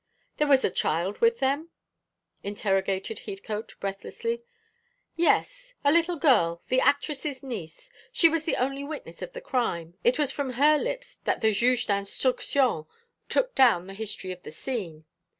"There was a child with them?" interrogated Heathcote breathlessly. "Yes, a little girl, the actress's niece. She was the only witness of the crime. It was from her lips that the Juge d'Instruction took down the history of the scene.